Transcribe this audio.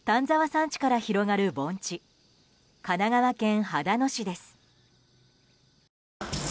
山地から広がる盆地神奈川県秦野市です。